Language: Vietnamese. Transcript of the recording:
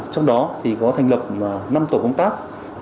trong đó thì có thành lập năm tổ công tác